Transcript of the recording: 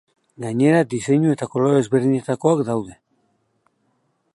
Gainera, diseinu eta kolore ezberdinetakoak daude.